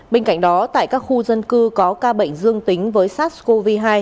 bên cạnh đó tại các khu dân cư có ca bệnh dương tính với sars cov hai